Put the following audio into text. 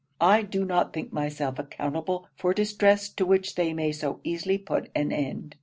I do not think myself accountable for distress to which they may so easily put an end.